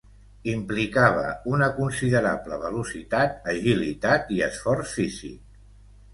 Implicava una considerable velocitat, agilitat i esforç físic.